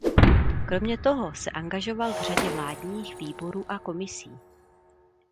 Kromě toho se angažoval v řadě vládních výborů a komisí.